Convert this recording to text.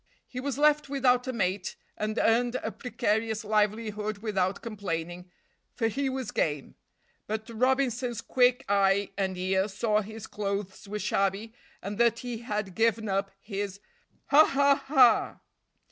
He was left without a mate and earned a precarious livelihood without complaining, for he was game; but Robinson's quick eye and ear saw his clothes were shabby and that he had given up his ha! ha!